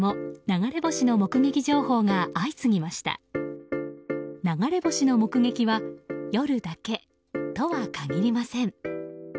流れ星の目撃は夜だけとは限りません。